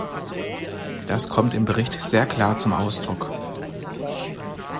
Das kommt im Bericht sehr klar zum Ausdruck.